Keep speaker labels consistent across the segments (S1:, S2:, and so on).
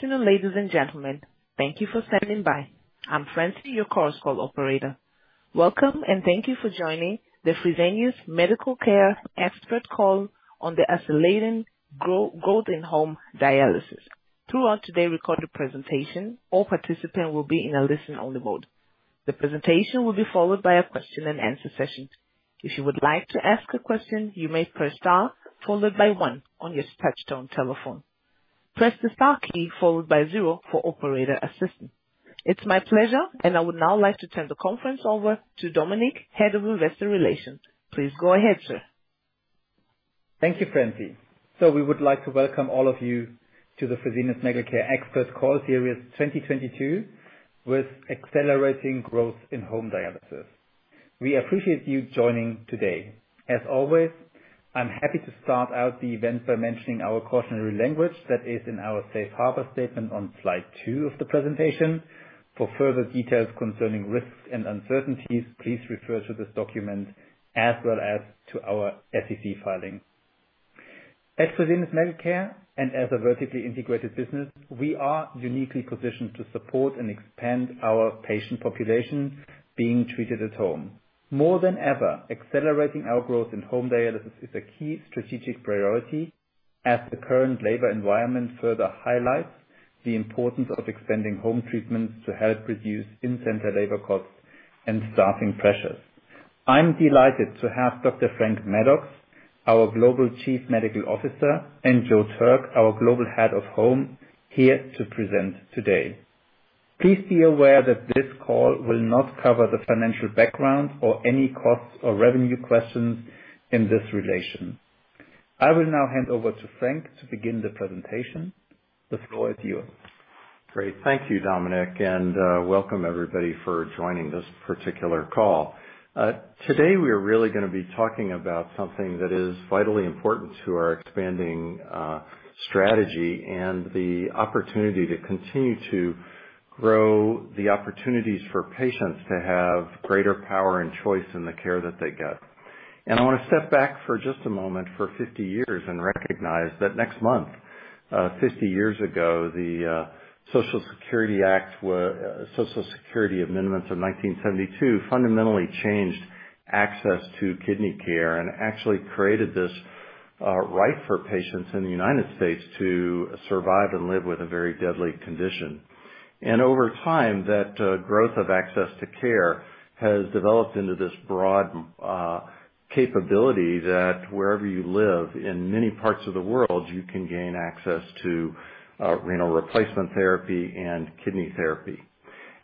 S1: Good afternoon, ladies and gentlemen. Thank you for standing by. I'm Francine, your conference call operator. Welcome and thank you for joining the Fresenius Medical Care Expert Call on the Accelerating Growth in Home Dialysis. Throughout today's recorded presentation, all participants will be in a listen-only mode. The presentation will be followed by a question-and-answer session. If you would like to ask a question, you may press Star followed by one on your touchtone telephone. Press the Star key followed by zero for operator assistance. It's my pleasure, and I would now like to turn the conference over to Dominik, Head of Investor Relations. Please go ahead, sir.
S2: Thank you, Francine. We would like to welcome all of you to the Fresenius Medical Care Expert Call Series 2022, with accelerating growth in home dialysis. We appreciate you joining today. As always, I'm happy to start out the event by mentioning our cautionary language that is in our safe harbor statement on slide 2 of the presentation. For further details concerning risks and uncertainties, please refer to this document as well as to our SEC filing. At Fresenius Medical Care and as a vertically integrated business, we are uniquely positioned to support and expand our patient population being treated at home. More than ever, accelerating our growth in home dialysis is a key strategic priority as the current labor environment further highlights the importance of extending home treatments to help reduce in-center labor costs and staffing pressures. I'm delighted to have Dr. Franklin Maddux, our Global Chief Medical Officer, and Joseph Turk, our Global Head of Home, here to present today. Please be aware that this call will not cover the financial background or any costs or revenue questions in this relation. I will now hand over to Franklin to begin the presentation. The floor is yours.
S3: Great. Thank you, Dominik, and welcome everybody for joining this particular call. Today, we are really going to be talking about something that is vitally important to our expanding strategy and the opportunity to continue to grow the opportunities for patients to have greater power and choice in the care that they get. I want to step back for just a moment, 50 years, and recognize that next month, 50 years ago, the Social Security Amendments of 1972 fundamentally changed access to kidney care and actually created this right for patients in the United States to survive and live with a very deadly condition. Over time, that growth of access to care has developed into this broad capability that wherever you live in many parts of the world, you can gain access to renal replacement therapy and kidney therapy.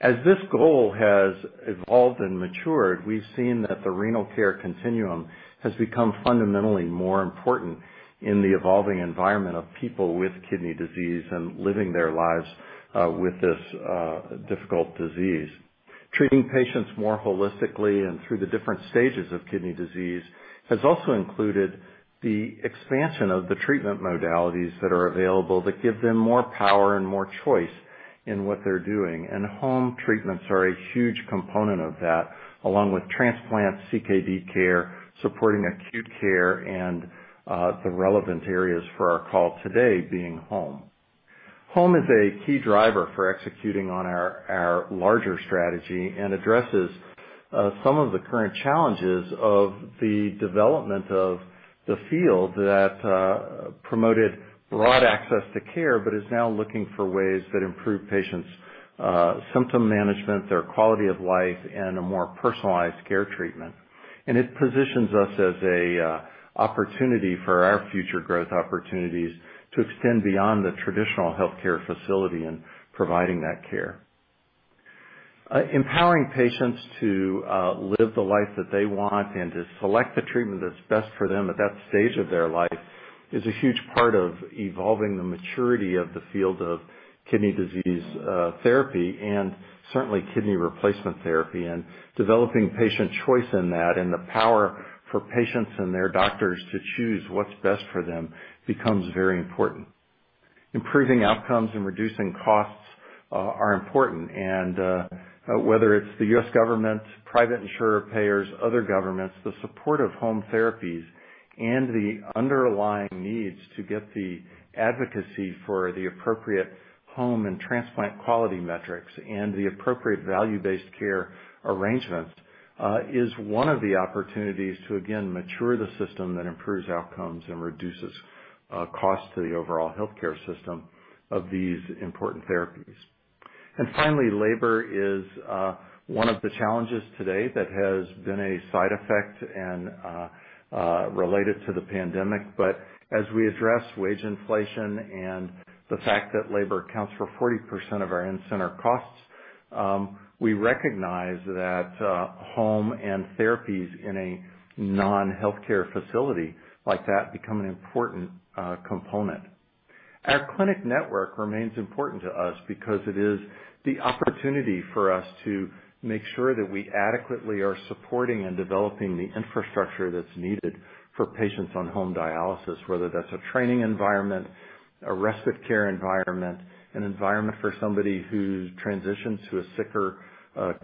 S3: As this goal has evolved and matured, we've seen that the renal care continuum has become fundamentally more important in the evolving environment of people with kidney disease and living their lives with this difficult disease. Treating patients more holistically and through the different stages of kidney disease has also included the expansion of the treatment modalities that are available that give them more power and more choice in what they're doing. Home treatments are a huge component of that, along with transplant CKD care, supporting acute care and the relevant areas for our call today being home. Home is a key driver for executing on our larger strategy and addresses some of the current challenges of the development of the field that promoted broad access to care, but is now looking for ways that improve patients' symptom management, their quality of life, and a more personalized care treatment. It positions us as a opportunity for our future growth opportunities to extend beyond the traditional healthcare facility in providing that care. Empowering patients to live the life that they want and to select the treatment that's best for them at that stage of their life is a huge part of evolving the maturity of the field of kidney disease therapy and certainly kidney replacement therapy. Developing patient choice in that and the power for patients and their doctors to choose what's best for them becomes very important. Improving outcomes and reducing costs are important. Whether it's the U.S. government, private insurer payers, other governments, the support of home therapies and the underlying needs to get the advocacy for the appropriate home and transplant quality metrics and the appropriate value-based care arrangement is one of the opportunities to again mature the system that improves outcomes and reduces cost to the overall healthcare system of these important therapies. Finally, labor is one of the challenges today that has been a side effect and related to the pandemic. As we address wage inflation and the fact that labor accounts for 40% of our in-center costs, we recognize that home and therapies in a non-healthcare facility like that become an important component. Our clinic network remains important to us because it is the opportunity for us to make sure that we adequately are supporting and developing the infrastructure that's needed for patients on home dialysis, whether that's a training environment, a respite care environment, an environment for somebody who transitions to a sicker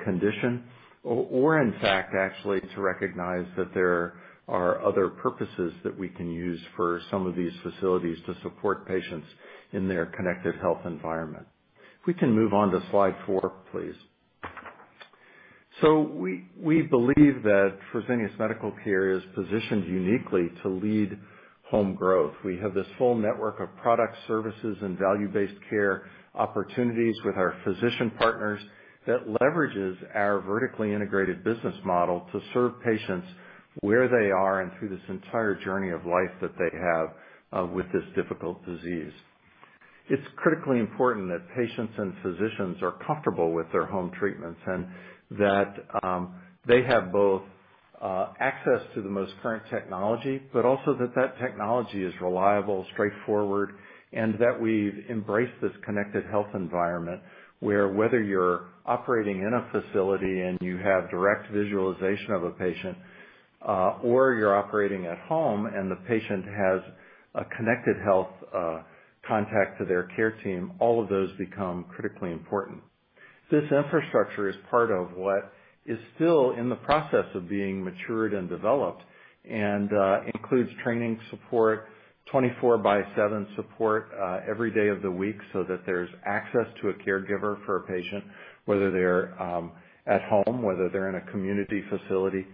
S3: condition. Or, in fact, actually to recognize that there are other purposes that we can use for some of these facilities to support patients in their connected health environment. If we can move on to slide four, please. We, we believe that Fresenius Medical Care is positioned uniquely to lead home growth. We have this full network of product services and value-based care opportunities with our physician partners that leverages our vertically integrated business model to serve patients where they are and through this entire journey of life that they have with this difficult disease. It's critically important that patients and physicians are comfortable with their home treatments, and that they have both access to the most current technology, but also that that technology is reliable, straightforward, and that we've embraced this connected health environment where whether you're operating in a facility and you have direct visualization of a patient, or you're operating at home and the patient has a connected health contact to their care team, all of those become critically important. This infrastructure is part of what is still in the process of being matured and developed and includes training support, 24/7 support, every day of the week so that there's access to a caregiver for a patient, whether they're at home, whether they're in a community facility,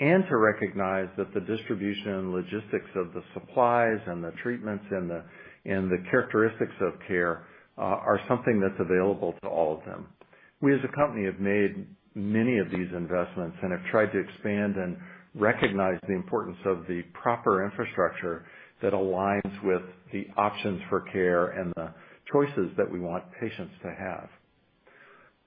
S3: and to recognize that the distribution and logistics of the supplies and the treatments and the characteristics of care are something that's available to all of them. We, as a company, have made many of these investments and have tried to expand and recognize the importance of the proper infrastructure that aligns with the options for care and the choices that we want patients to have.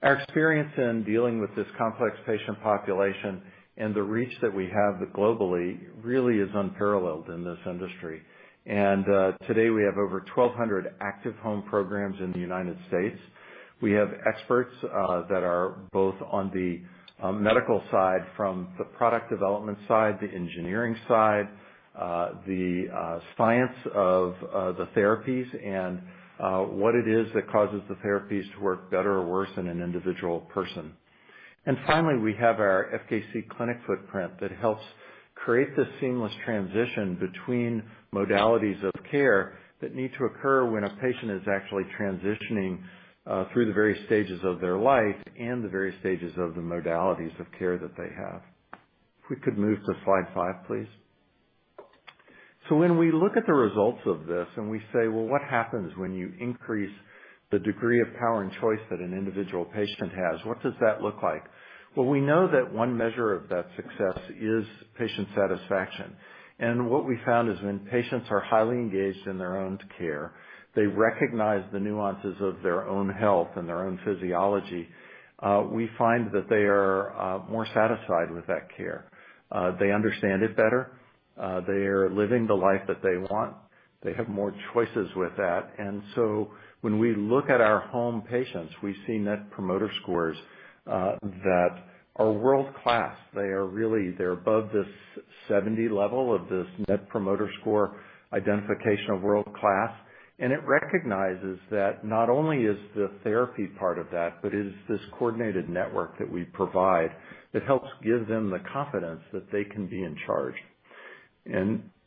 S3: Our experience in dealing with this complex patient population and the reach that we have globally really is unparalleled in this industry. Today we have over 1,200 active home programs in the United States. We have experts that are both on the medical side from the product development side, the engineering side, the science of the therapies and what it is that causes the therapies to work better or worse in an individual person. Finally, we have our FKC clinic footprint that helps create this seamless transition between modalities of care that need to occur when a patient is actually transitioning through the various stages of their life and the various stages of the modalities of care that they have. If we could move to slide 5, please. When we look at the results of this and we say, well, what happens when you increase the degree of power and choice that an individual patient has? What does that look like? Well, we know that one measure of that success is patient satisfaction. What we found is when patients are highly engaged in their own care, they recognize the nuances of their own health and their own physiology, we find that they are more satisfied with that care. They understand it better. They are living the life that they want. They have more choices with that. When we look at our home patients, we see Net Promoter Scores that are world-class. They are. They're above this 70 level of this Net Promoter Score identification of world-class. It recognizes that not only is the therapy part of that, but it is this coordinated network that we provide that helps give them the confidence that they can be in charge.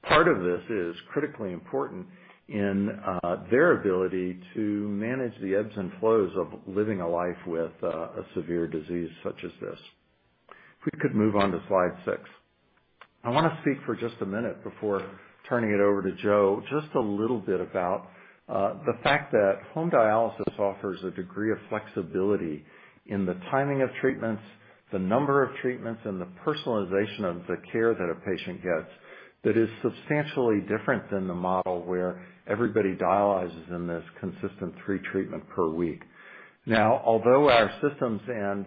S3: Part of this is critically important in their ability to manage the ebbs and flows of living a life with a severe disease such as this. If we could move on to slide six. I want to speak for just a minute before turning it over to Joe, just a little bit about the fact that home dialysis offers a degree of flexibility in the timing of treatments, the number of treatments, and the personalization of the care that a patient gets that is substantially different than the model where everybody dialyzes in this consistent three treatments per week. Now, although our systems and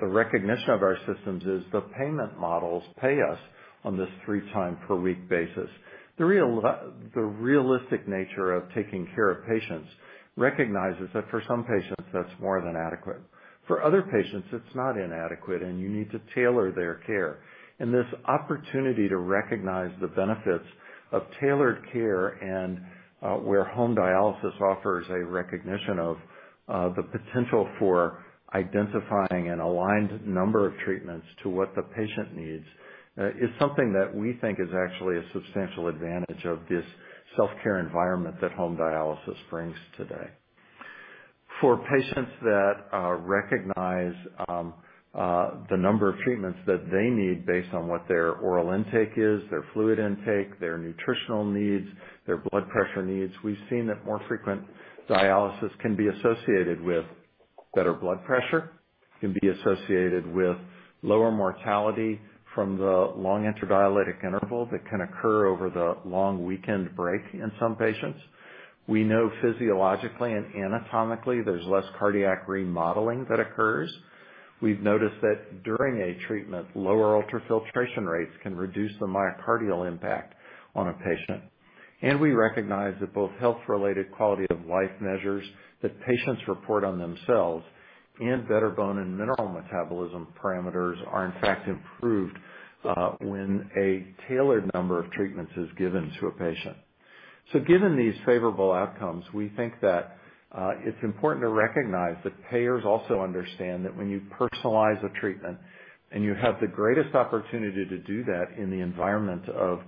S3: the recognition of our systems is the payment models pay us on this three times per week basis, the realistic nature of taking care of patients recognizes that for some patients, that's more than adequate. For other patients, it's not inadequate, and you need to tailor their care. This opportunity to recognize the benefits of tailored care and, where home dialysis offers a recognition of, the potential for identifying an aligned number of treatments to what the patient needs, is something that we think is actually a substantial advantage of this self-care environment that home dialysis brings today. For patients that recognize the number of treatments that they need based on what their oral intake is, their fluid intake, their nutritional needs, their blood pressure needs, we've seen that more frequent dialysis can be associated with better blood pressure, can be associated with lower mortality from the long interdialytic interval that can occur over the long weekend break in some patients. We know physiologically and anatomically there's less cardiac remodeling that occurs. We've noticed that during a treatment, lower ultrafiltration rates can reduce the myocardial impact on a patient. We recognize that both health-related quality of life measures that patients report on themselves and better bone and mineral metabolism parameters are in fact improved when a tailored number of treatments is given to a patient. Given these favorable outcomes, we think that it's important to recognize that payers also understand that when you personalize a treatment and you have the greatest opportunity to do that in the environment of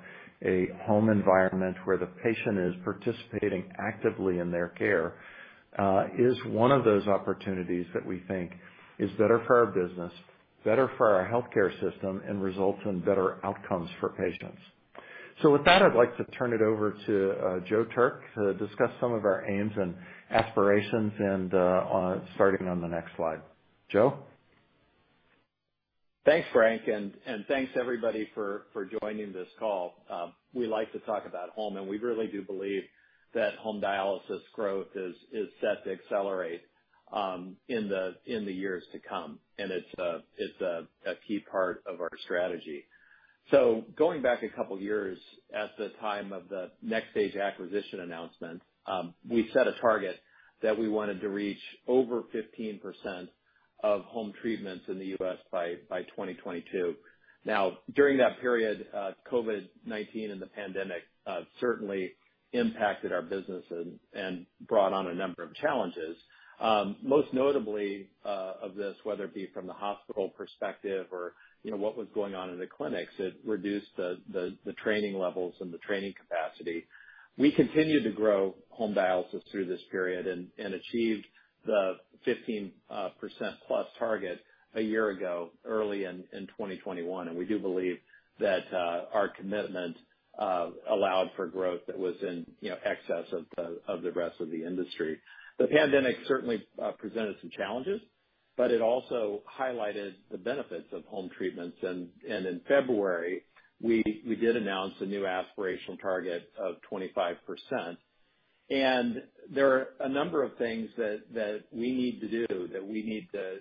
S3: a home environment where the patient is participating actively in their care is one of those opportunities that we think is better for our business, better for our healthcare system, and results in better outcomes for patients. With that, I'd like to turn it over to Joseph Turk to discuss some of our aims and aspirations and starting on the next slide. Joseph?
S4: Thanks, Franklin, and thanks, everybody for joining this call. We like to talk about home, and we really do believe that home dialysis growth is set to accelerate in the years to come. It's a key part of our strategy. Going back a couple years, at the time of the NxStage acquisition announcement, we set a target that we wanted to reach over 15% of home treatments in the U.S. by 2022. Now, during that period, COVID-19 and the pandemic certainly impacted our business and brought on a number of challenges. Most notably, of this, whether it be from the hospital perspective or what was going on in the clinics, it reduced the training levels and the training capacity. We continued to grow home dialysis through this period and achieved the 15% plus target a year ago, early in 2021. We do believe that our commitment allowed for growth that was in excess of the rest of the industry. The pandemic certainly presented some challenges, but it also highlighted the benefits of home treatments. In February we did announce a new aspirational target of 25%. There are a number of things that we need to do that we need to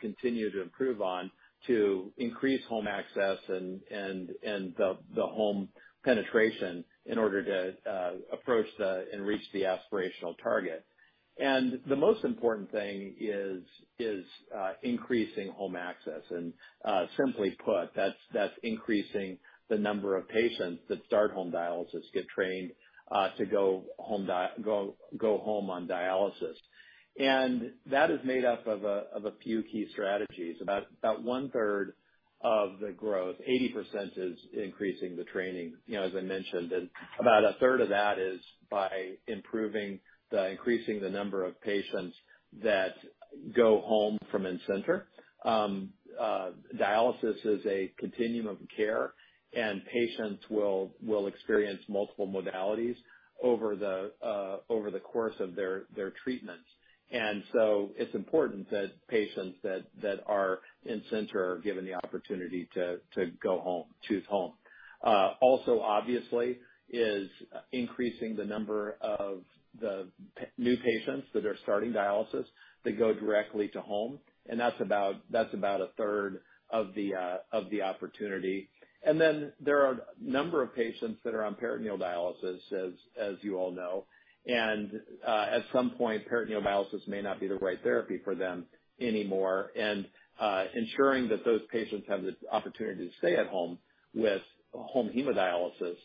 S4: continue to improve on to increase home access and the home penetration in order to approach and reach the aspirational target. The most important thing is increasing home access. Simply put, that's increasing the number of patients that start home dialysis, get trained to go home on dialysis. That is made up of a few key strategies. About one-third of the growth, 80% is increasing the training as I mentioned, and about a third of that is by increasing the number of patients that go home from in-center. Dialysis is a continuum of care, and patients will experience multiple modalities over the course of their treatments. It's important that patients that are in-center are given the opportunity to go home, choose home. Also, obviously, increasing the number of the new patients that are starting dialysis that go directly to home, and that's about a third of the opportunity. Then there are a number of patients that are on peritoneal dialysis as you all know. At some point, peritoneal dialysis may not be the right therapy for them anymore. Ensuring that those patients have the opportunity to stay at home with home hemodialysis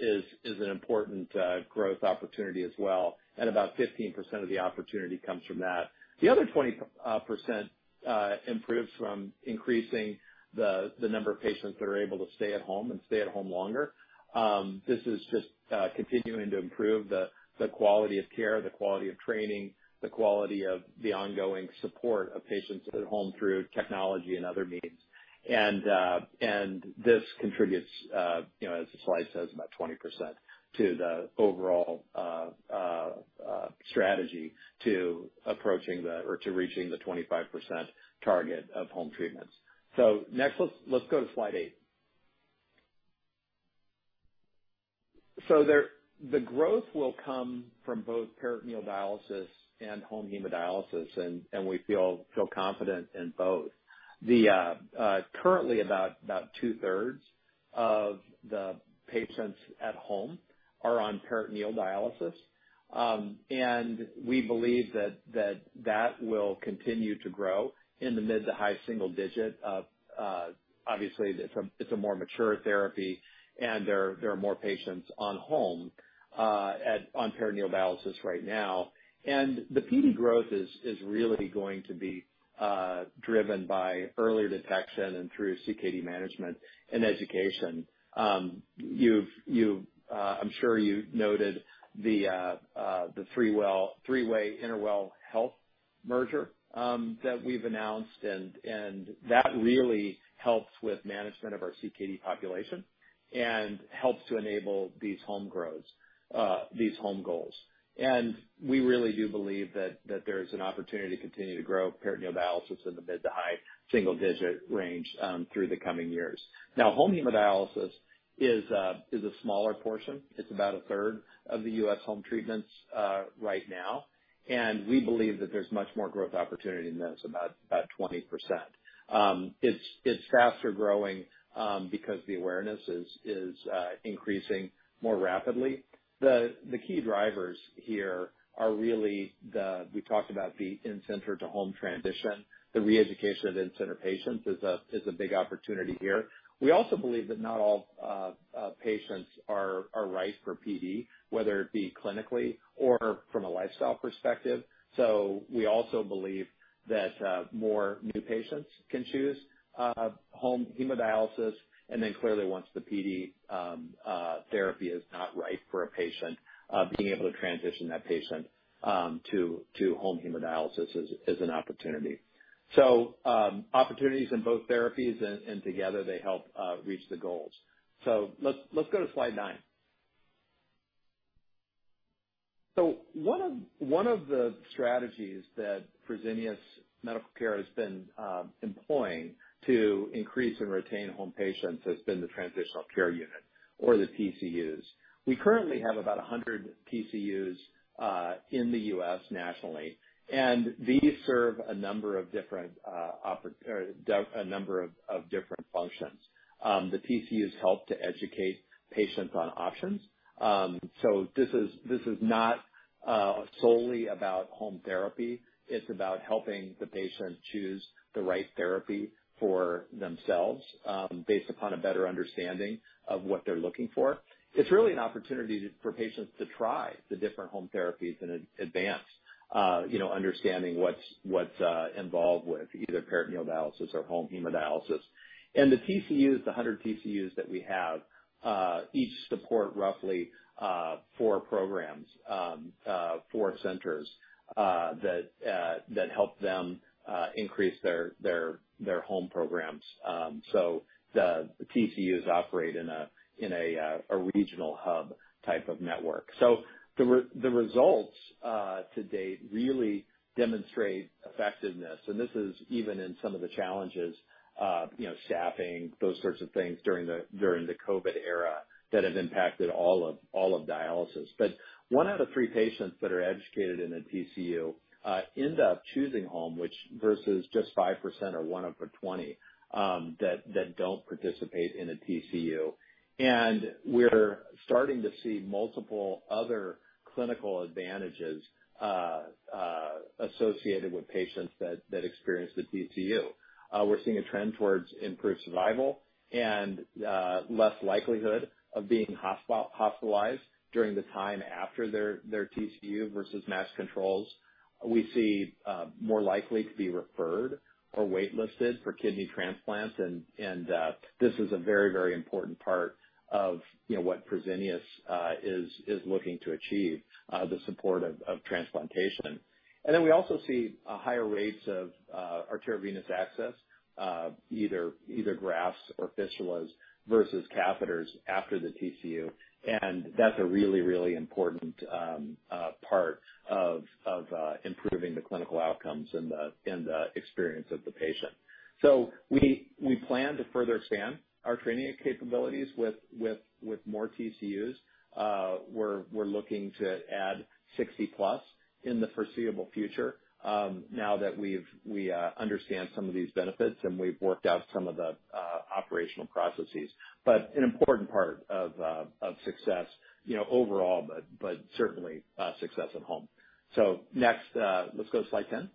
S4: is an important growth opportunity as well. About 15% of the opportunity comes from that. The other 20% improves from increasing the number of patients that are able to stay at home and stay at home longer. This is just continuing to improve the quality of care, the quality of training, the quality of the ongoing support of patients at home through technology and other means. This contributes as the slide says, about 20% to the overall strategy to approaching the or to reaching the 25% target of home treatments. Next, let's go to slide eight. There, the growth will come from both peritoneal dialysis and home hemodialysis, and we feel confident in both. Currently, about two-thirds of the patients at home are on peritoneal dialysis. We believe that will continue to grow in the mid- to high-single-digit %, obviously it's a more mature therapy and there are more patients on home peritoneal dialysis right now. The PD growth is really going to be driven by earlier detection and through CKD management and education. I'm sure you've noted the three-way Interwell Health merger that we've announced and that really helps with management of our CKD population and helps to enable these home growths, these home goals. We really do believe that there's an opportunity to continue to grow peritoneal dialysis in the mid- to high-single-digit range through the coming years. Now, home hemodialysis is a smaller portion. It's about 1/3 of the U.S. home treatments right now. We believe that there's much more growth opportunity and that it's about 20%. It's faster growing because the awareness is increasing more rapidly. The key drivers here are really the in-center to home transition we talked about. The re-education of in-center patients is a big opportunity here. We also believe that not all patients are right for PD, whether it be clinically or from a lifestyle perspective. We also believe that more new patients can choose home hemodialysis. Then clearly once the PD therapy is not right for a patient, being able to transition that patient to home hemodialysis is an opportunity. Opportunities in both therapies and together they help reach the goals. Let's go to slide nine. One of the strategies that Fresenius Medical Care has been employing to increase and retain home patients has been the transitional care unit or the TCUs. We currently have about 100 TCUs in the U.S. nationally, and these serve a number of different functions. The TCUs help to educate patients on options. This is not solely about home therapy. It's about helping the patient choose the right therapy for themselves based upon a better understanding of what they're looking for. It's really an opportunity to. For patients to try the different home therapies in advance understanding what's involved with either peritoneal dialysis or home hemodialysis. The TCU, the 100 TCUs that we have, each support roughly four programs, four centers that help them increase their home programs. The TCUs operate in a regional hub type of network. The results to date really demonstrate effectiveness. This is even in some of the challenges staffing, those sorts of things during the COVID era that have impacted all of dialysis. One out of three patients that are educated in a TCU end up choosing home, which versus just 5% or one out of twenty that don't participate in a TCU. We're starting to see multiple other clinical advantages associated with patients that experience the TCU. We're seeing a trend towards improved survival and less likelihood of being hospitalized during the time after their TCU versus matched controls. We see more likely to be referred or wait-listed for kidney transplants, and this is a very important part of what Fresenius is looking to achieve, the support of transplantation. We also see higher rates of arteriovenous access, either grafts or fistulas versus catheters after the TCU. That's a really important part of improving the clinical outcomes and the experience of the patient. We plan to further expand our training capabilities with more TCUs. We're looking to add 60+ in the foreseeable future, now that we understand some of these benefits, and we've worked out some of the operational processes. An important part of success overall, but certainly success at home. Next, let's go to slide 10.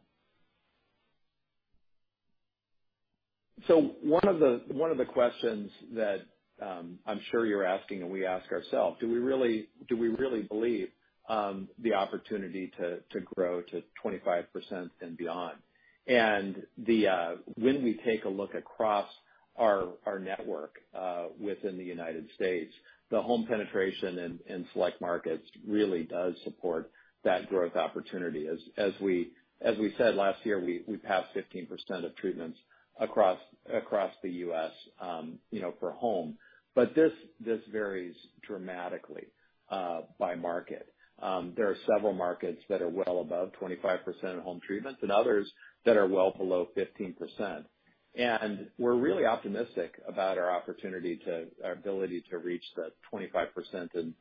S4: One of the questions that I'm sure you're asking, and we ask ourselves, do we really believe the opportunity to grow to 25% and beyond? Then, when we take a look across our network within the United States, the home penetration in select markets really does support that growth opportunity. As we said last year, we passed 15% of treatments across the us for home. This varies dramatically by market. There are several markets that are well above 25% of home treatments and others that are well below 15%. We're really optimistic about our ability to reach the 25%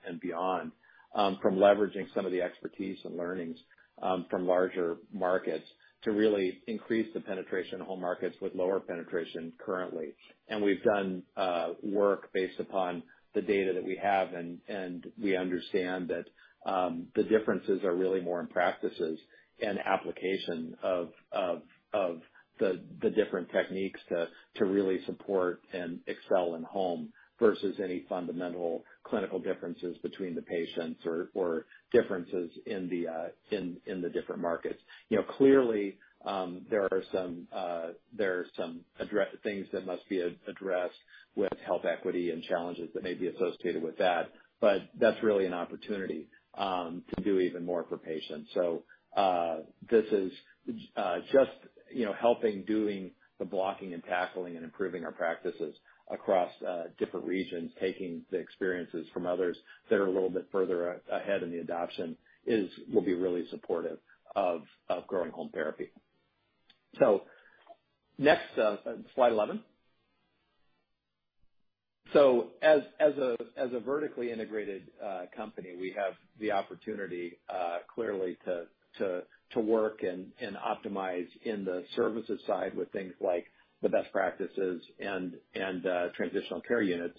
S4: and beyond from leveraging some of the expertise and learnings from larger markets to really increase the penetration of home markets with lower penetration currently. We've done work based upon the data that we have and we understand that the differences are really more in practices and application of the different techniques to really support and excel in home versus any fundamental clinical differences between the patients or differences in the different markets. clearly, there are some things that must be addressed with health equity and challenges that may be associated with that, but that's really an opportunity to do even more for patients. This is just helping doing the blocking and tackling and improving our practices across different regions, taking the experiences from others that are a little bit further ahead in the adoption will be really supportive of growing home therapy. Next, slide 11. As a vertically integrated company, we have the opportunity, clearly, to work and optimize in the services side with things like the best practices and transitional care units.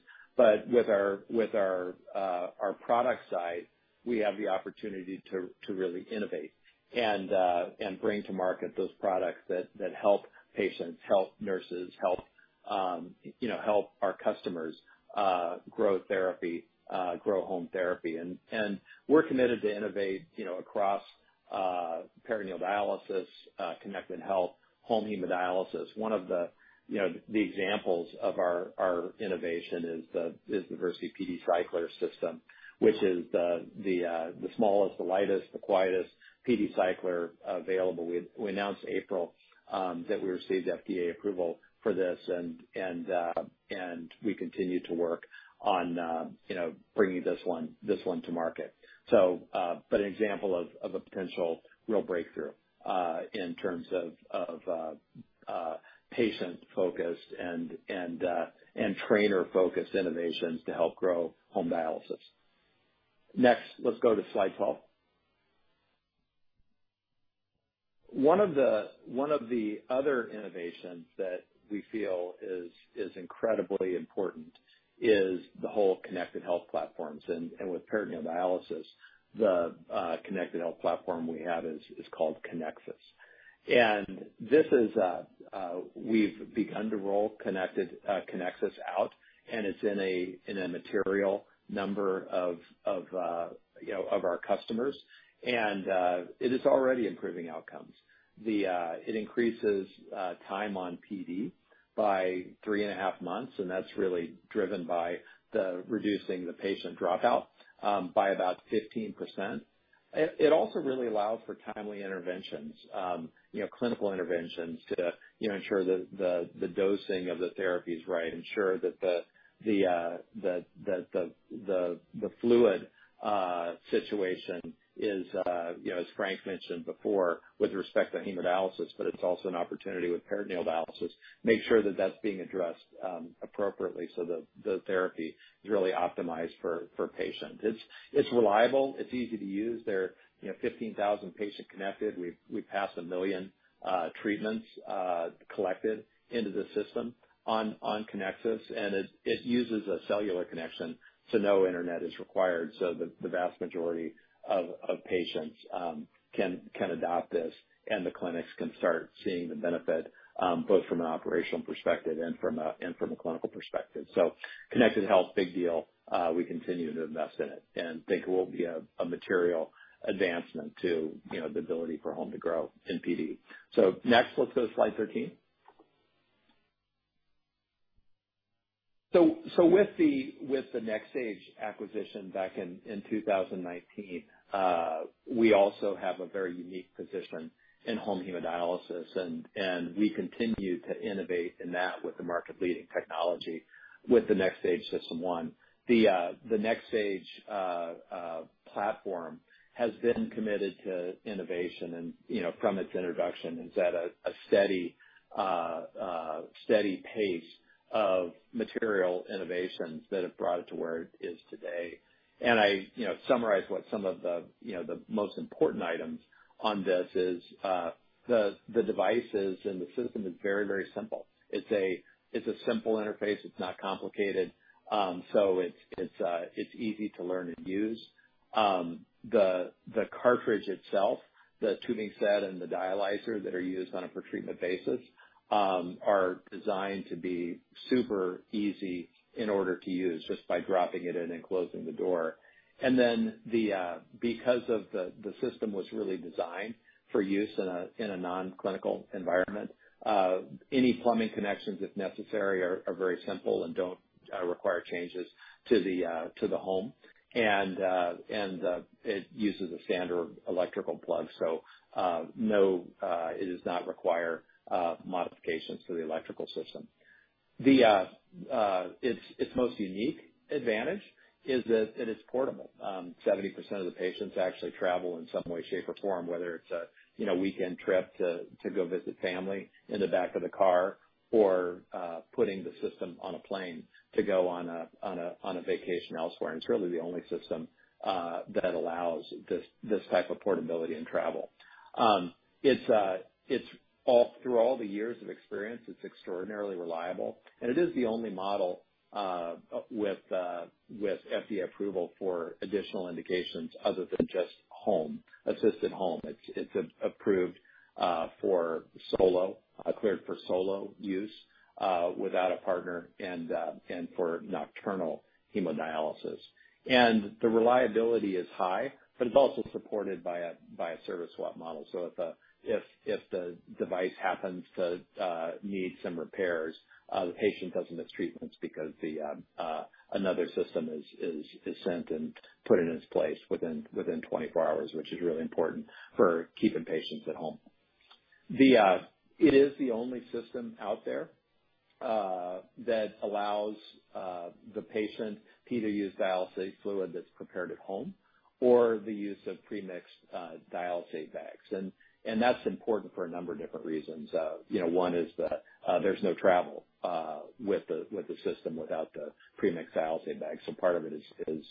S4: With our product side, we have the opportunity to really innovate and bring to market those products that help patients, help nurses, help our customers, grow therapy, grow home therapy. We're committed to innovate across peritoneal dialysis, connected health, home hemodialysis. One of the examples of our innovation is the VersiPD Cycler System, which is the smallest, the lightest, the quietest PD cycler available. We announced in April that we received FDA approval for this and we continue to work on bringing this one to market. An example of a potential real breakthrough in terms of patient-focused and trainer-focused innovations to help grow home dialysis. Next, let's go to slide 12. One of the other innovations that we feel is incredibly important is the whole connected health platforms. With peritoneal dialysis, the connected health platform we have is called Kinexus. This is, we've begun to roll connected Kinexus out, and it's in a material number of you know of our customers, and it is already improving outcomes. It increases time on PD by three and a half months, and that's really driven by reducing the patient dropout by about 15%. It also really allows for timely interventions clinical interventions to ensure the dosing of the therapy is right, ensure that the fluid situation is as Franklin mentioned before, with respect to hemodialysis, but it's also an opportunity with peritoneal dialysis, make sure that that's being addressed appropriately so the therapy is really optimized for patients. It's reliable, it's easy to use. There are 15,000 patients connected. We've passed 1 million treatments collected into the system on Kinexus, and it uses a cellular connection, so no internet is required. The vast majority of patients can adopt this and the clinics can start seeing the benefit, both from an operational perspective and from a clinical perspective. Connected health, big deal. We continue to invest in it and think it will be a material advancement to the ability for home to grow in PD. Next, let's go to slide 13. With the NxStage acquisition back in 2019, we also have a very unique position in home hemodialysis and we continue to innovate in that with the market-leading technology with the NxStage System One. The NxStage platform has been committed to innovation and from its introduction, it's at a steady pace of material innovations that have brought it to where it is today. i summarize what some of the the most important items on this is, the devices and the system is very simple. It's a simple interface. It's not complicated, so it's easy to learn and use. The cartridge itself, the tubing set and the dialyzer that are used on a per treatment basis, are designed to be super easy in order to use just by dropping it in and closing the door. The system was really designed for use in a non-clinical environment. Any plumbing connections, if necessary, are very simple and don't require changes to the home. It uses a standard electrical plug, so it does not require modifications to the electrical system. Its most unique advantage is that it is portable. 70% of the patients actually travel in some way, shape, or form, whether it's a weekend trip to go visit family in the back of the car or putting the system on a plane to go on a vacation elsewhere. It's really the only system that allows this type of portability and travel. It's all through all the years of experience, it's extraordinarily reliable, and it is the only model with FDA approval for additional indications other than just home, assisted home. It's approved for solo, cleared for solo use without a partner and for nocturnal hemodialysis. The reliability is high, but it's also supported by a service swap model. If the device happens to need some repairs, the patient doesn't miss treatments because another system is sent and put in its place within 24 hours, which is really important for keeping patients at home. It is the only system out there that allows the patient either use dialysate fluid that's prepared at home or the use of pre-mixed dialysate bags. That's important for a number of different reasons. One is there's no travel with the system without the pre-mixed dialysate bags. Part of it is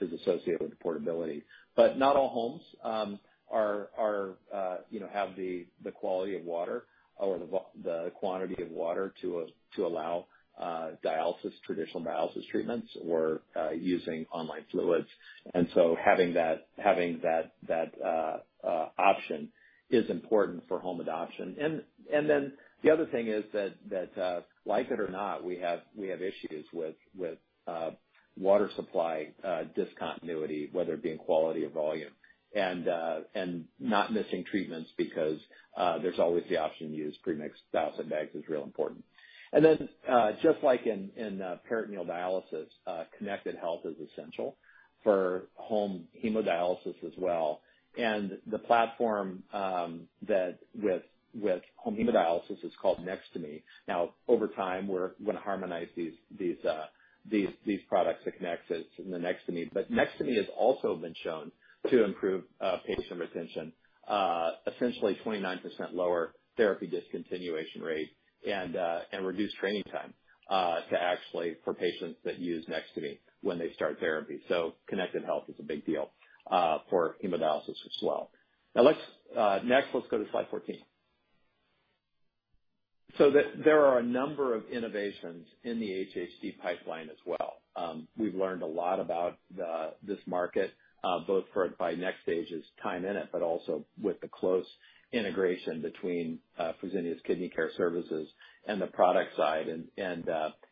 S4: associated with the portability. Not all homes are have the quality of water or the quantity of water to allow dialysis, traditional dialysis treatments or using online fluids. Then the other thing is that like it or not, we have issues with water supply discontinuity, whether it be in quality or volume, and not missing treatments because there's always the option to use pre-mixed dialysate bags is real important. Just like in peritoneal dialysis, connected health is essential for home hemodialysis as well. The platform with home hemodialysis is called Nx2me. Now, over time, we're going to harmonize these products, the Kinexus and the Nx2me. Nx2me has also been shown to improve patient retention. Essentially 29% lower therapy discontinuation rate and reduced training time to actually for patients that use Nx2me when they start therapy. Connected health is a big deal for hemodialysis as well. Now let's go to slide 14. There are a number of innovations in the HHD pipeline as well. We've learned a lot about this market, both from NxStage's time in it, but also with the close integration between Fresenius Kidney Care services and the product side.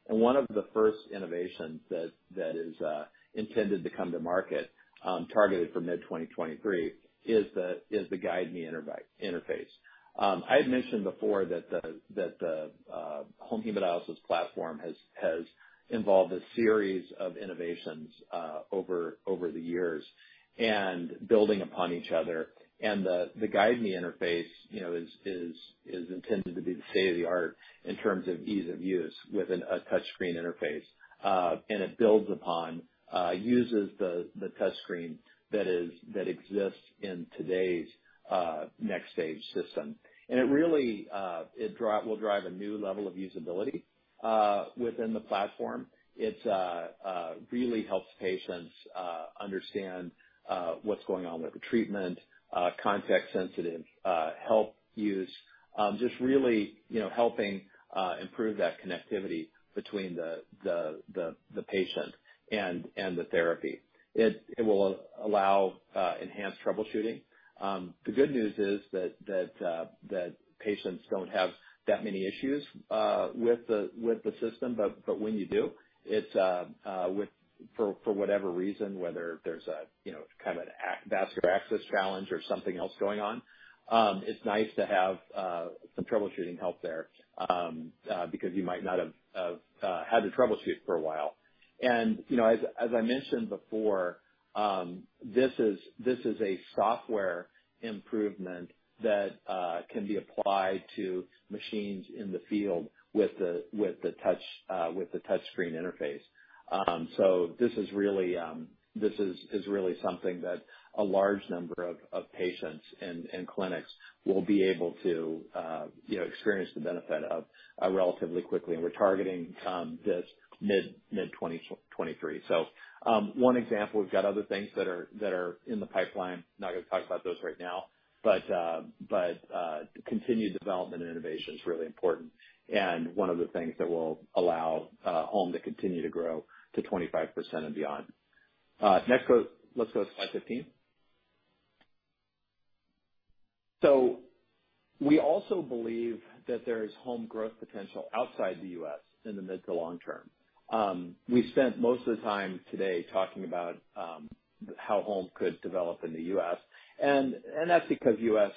S4: One of the first innovations that is intended to come to market, targeted for mid-2023, is the GuideMe interface. I had mentioned before that the home hemodialysis platform has involved a series of innovations over the years and building upon each other. The GuideMe interface is intended to be the state-of-the-art in terms of ease of use with a touchscreen interface. It builds upon uses the touchscreen that exists in today's NxStage system. It really will drive a new level of usability within the platform. It really helps patients understand what's going on with the treatment, context-sensitive help use, just really helping improve that connectivity between the patient and the therapy. It will allow enhanced troubleshooting. The good news is that patients don't have that many issues with the system, but when you do, it's worth, for whatever reason, whether there's a kind of an arteriovenous access challenge or something else going on, it's nice to have some troubleshooting help there, because you might not have had to troubleshoot for a while. As I mentioned before, this is a software improvement that can be applied to machines in the field with the touchscreen interface. This is really something that a large number of patients and clinics will be able to experience the benefit of relatively quickly. We're targeting this mid-2023. One example, we've got other things that are in the pipeline. Not going to talk about those right now, but continued development and innovation is really important and one of the things that will allow home to continue to grow to 25% and beyond. Let's go to slide 15. We also believe that there is home growth potential outside the U.S. in the mid to long term. We spent most of the time today talking about how home could develop in the U.S., and that's because the U.S.,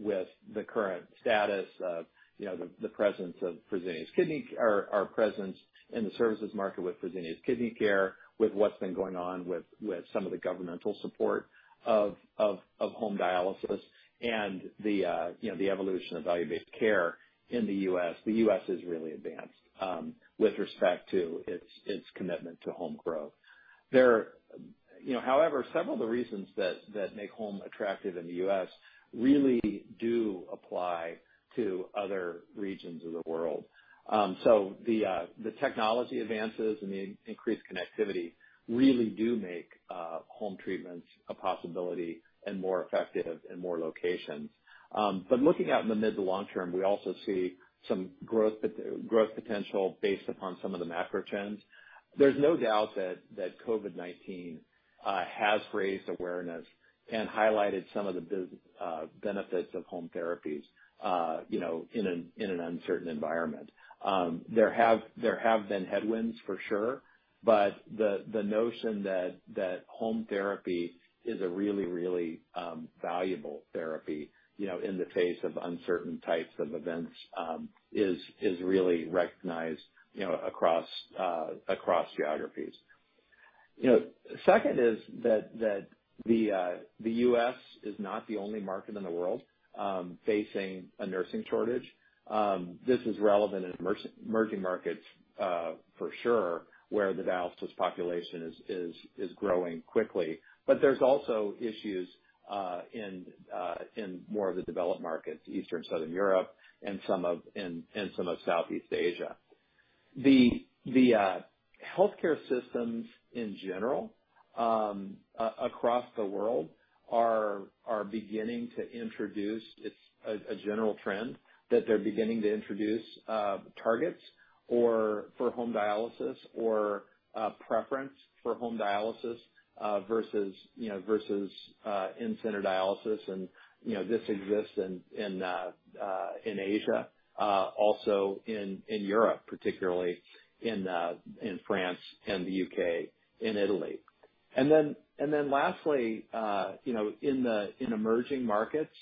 S4: with the current status of the presence of Fresenius Kidney Care or our presence in the services market with Fresenius Kidney Care, with what's been going on with some of the governmental support of home dialysis and the evolution of value-based care in the U.S. The U.S. is really advanced with respect to its commitment to home growth. However, several of the reasons that make home attractive in the U.S. really do apply to other regions of the world. The technology advances and the increased connectivity really do make home treatments a possibility and more effective in more locations. Looking out in the mid to long term, we also see some growth potential based upon some of the macro trends. There's no doubt that COVID-19 has raised awareness and highlighted some of the benefits of home therapies in an uncertain environment. There have been headwinds for sure, but the notion that home therapy is a really valuable therapy in the face of uncertain types of events, is really recognized across geographies. Second is that the U.S. is not the only market in the world facing a nursing shortage. This is relevant in emerging markets, for sure, where the dialysis population is growing quickly. There's also issues in more of the developed markets, Eastern, Southern Europe and some of Southeast Asia. The healthcare systems in general across the world are beginning to introduce. It's a general trend that they're beginning to introduce targets for home dialysis or preference for home dialysis versus in-center dialysis and this exists in Asia also in Europe, particularly in France and the U.K. and Italy. lastly in emerging markets,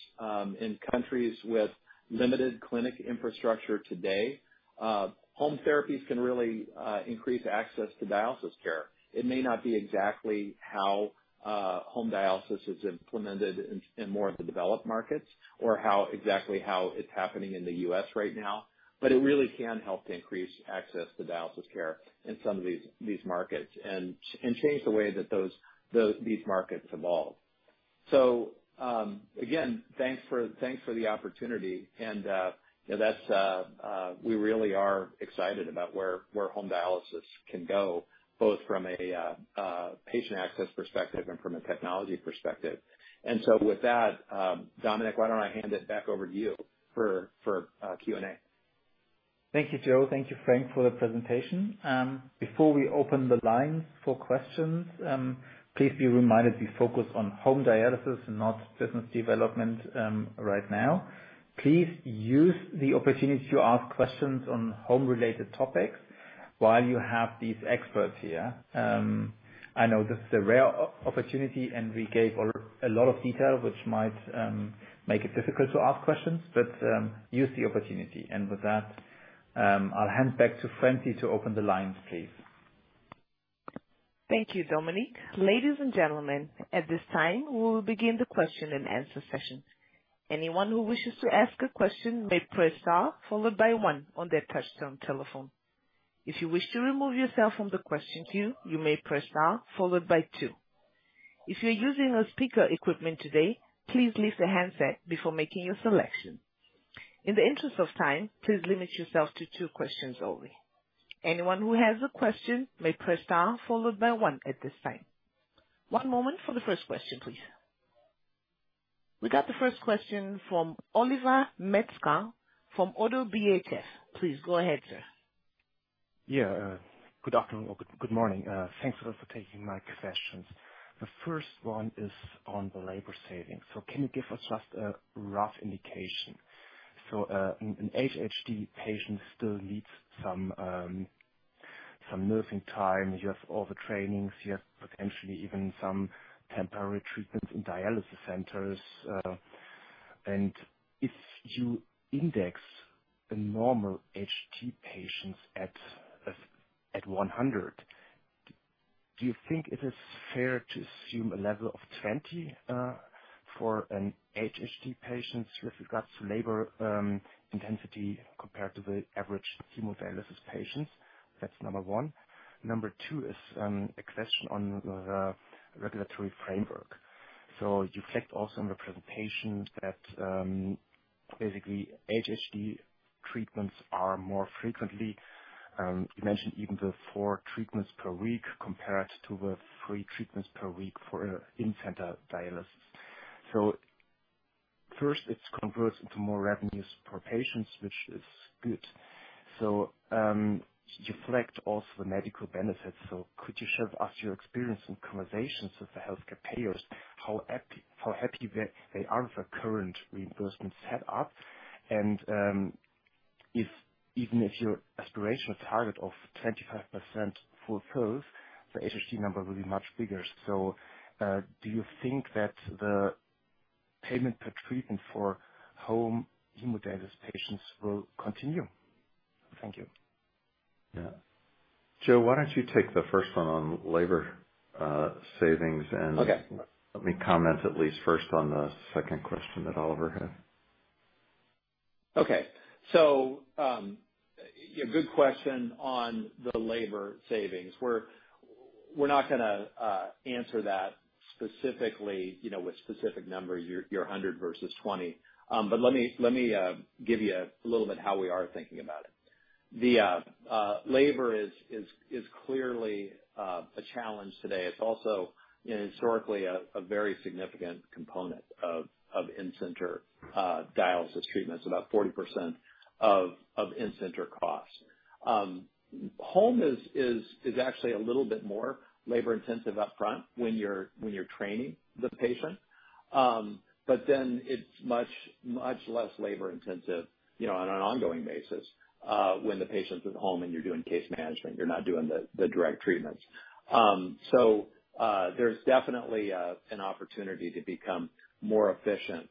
S4: in countries with limited clinic infrastructure today, home therapies can really increase access to dialysis care. It may not be exactly how home dialysis is implemented in more of the developed markets or how exactly it's happening in the US right now, but it really can help to increase access to dialysis care in some of these markets and change the way that these markets evolve. Again, thanks for the opportunity. We really are excited about where home dialysis can go, both from a patient access perspective and from a technology perspective. With that, Dominik, why don't I hand it back over to you for Q&A.
S3: Thank you, Joseph. Thank you, Franklin, for the presentation. Before we open the lines for questions, please be reminded we focus on home dialysis and not business development right now.
S2: Please use the opportunity to ask questions on home-related topics while you have these experts here. I know this is a rare opportunity, and we gave a lot of detail, which might make it difficult to ask questions, but use the opportunity. With that, I'll hand back to Francie to open the lines, please.
S1: Thank you, Dominik. Ladies and gentlemen, at this time, we will begin the question-and-answer session. Anyone who wishes to ask a question may press star followed by one on their touchtone telephone. If you wish to remove yourself from the question queue, you may press star followed by two. If you're using a speakerphone today, please pick up the handset before making your selection. In the interest of time, please limit yourself to two questions only. Anyone who has a question may press star followed by one at this time. One moment for the first question, please. We got the first question from Oliver Metzger from Oddo BHF. Please go ahead, sir.
S5: Yeah. Good afternoon or good morning. Thanks for taking my questions. The first one is on the labor savings. Can you give us just a rough indication? An HHD patient still needs some nursing time. You have all the trainings, you have potentially even some temporary treatments in dialysis centers. If you index a normal HD patient at 100, do you think it is fair to assume a level of 20 for an HHD patient with regards to labor intensity compared to the average hemodialysis patient? That's number one. Number two is a question on the regulatory framework. You reflect also in the presentation that basically HHD treatments are more frequently, you mentioned even the four treatments per week compared to the three treatments per week for in-center dialysis. First, it converts into more revenues per patients, which is good. You reflect also the medical benefits. Could you share with us your experience in conversations with the healthcare payers, how happy they are with the current reimbursement set up? If even if your aspirational target of 25% fulfills, the HHD number will be much bigger. Do you think that the payment per treatment for home hemodialysis patients will continue? Thank you.
S4: Yeah. Joseph, why don't you take the first one on labor savings? Okay. Let me comment at least first on the second question that Oliver had. Okay. Yeah, good question on the labor savings. We're not going to answer that specifically with specific numbers, your 100 versus 20. But let me give you a little bit how we are thinking about it. Labor is clearly a challenge today. It's also historically a very significant component of in-center dialysis treatments, about 40% of in-center costs. Home is actually a little bit more labor intensive up front when you're training the patient. It's much, much less labor intensive on an ongoing basis, when the patient's at home and you're doing case management, you're not doing the direct treatments. There's definitely an opportunity to become more efficient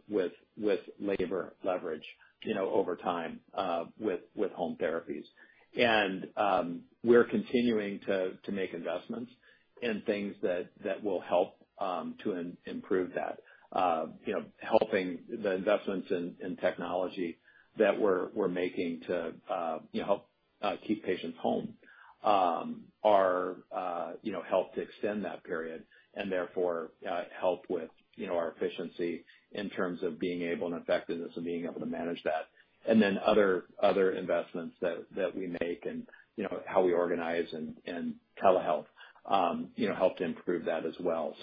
S4: with labor leverage over time, with home therapies. We're continuing to make investments in things that will help to improve that. The investments in technology that we're making to help keep patients home are help to extend that period and therefore help with our efficiency in terms of ability and effectiveness and being able to manage that. Then other investments that we make and how we organize and telehealth help to improve that as well.